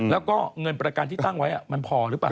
แล้วก็เงินประกันที่ตั้งไว้มันพอหรือเปล่า